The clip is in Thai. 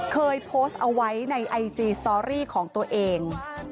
เคยโพสต์เอาไว้ในไอจีสตอรี่ของตัวเอง